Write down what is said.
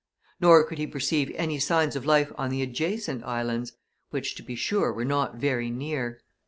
Nor could he perceive any signs of life on the adjacent islands which, to be sure, were not very near.